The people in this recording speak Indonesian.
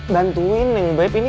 bantuin babe ini